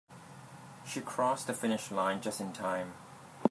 She crossed the finish line just in time.